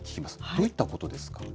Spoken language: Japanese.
どういったことですか。